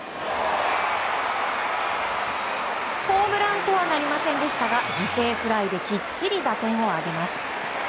ホームランとはなりませんでしたが犠牲フライできっちり打点を挙げます。